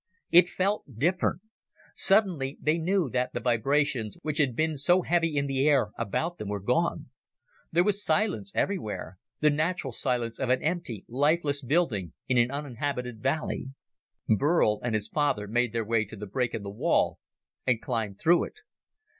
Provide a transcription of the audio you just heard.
It felt different. Suddenly they knew that the vibrations which had been so heavy in the air about them were gone. There was silence everywhere, the natural silence of an empty, lifeless building in an uninhabited valley. Burl and his father made their way to the break in the wall and climbed through it.